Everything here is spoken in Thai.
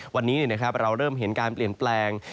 วันนี้เราเริ่มเห็นการเปลี่ยนแปลง